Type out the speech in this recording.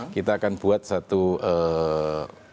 kita akan buat satu ee